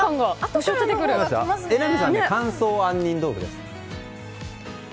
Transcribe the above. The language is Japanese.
榎並さんには乾燥杏仁豆腐です。